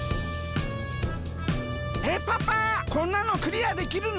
えっパパこんなのクリアできるの？